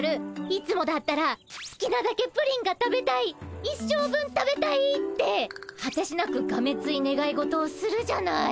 いつもだったらすきなだけプリンが食べたい一生分食べたいってはてしなくがめついねがい事をするじゃない。